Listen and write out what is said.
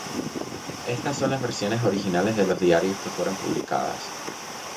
Estas son las versiones originales de los diarios que fueron publicadas.